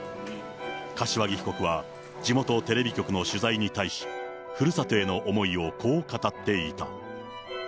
柏木被告は地元テレビ局の取材に対し、ふるさとへの思いをこう語っていた。